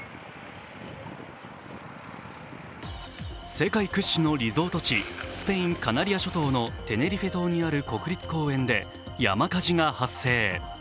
世界屈指のリゾート地、スペイン・カナリア諸島のテネリフェ島にある国立公園で山火事が発生。